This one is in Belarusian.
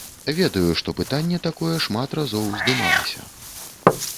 Ведаю, што пытанне такое шмат разоў уздымалася.